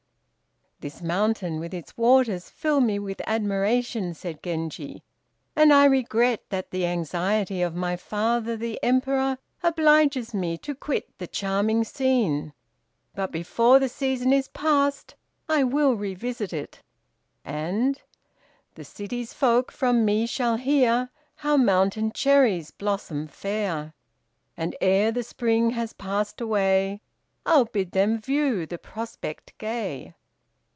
"This mountain, with its waters, fill me with admiration," said Genji, "and I regret that the anxiety of my father the Emperor obliges me to quit the charming scene; but before the season is past, I will revisit it: and The city's folk from me shall hear How mountain cherries blossom fair, And ere the Spring has passed away, I'll bid them view the prospect gay."